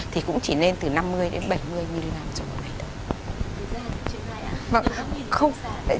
thì cũng chỉ nên từ năm mươi đến bảy mươi mg cho một ngày thôi